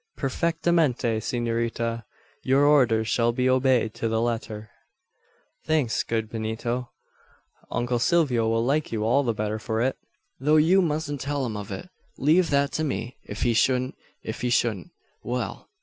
"Perfectamente, s'norita. Your orders shall be obeyed to the letter." "Thanks, good Benito. Uncle Silvio will like you all the better for it; though you mustn't tell him of it. Leave that to me. If he shouldn't if he shouldn't well!